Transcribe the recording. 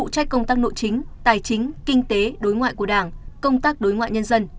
trách công tác nội chính tài chính kinh tế đối ngoại của đảng công tác đối ngoại nhân dân